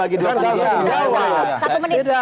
satu menit saja